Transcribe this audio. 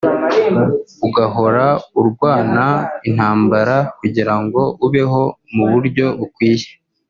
ugahora urwana intambara kugirango ubeho mu buryo bukwiye